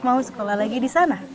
mau sekolah lagi di sana